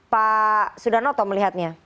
pak sudarnoto melihatnya